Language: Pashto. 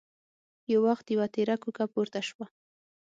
يو وخت يوه تېره کوکه پورته شوه.